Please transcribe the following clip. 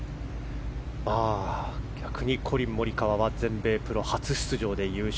逆にコリン・モリカワは全米プロ初出場で優勝。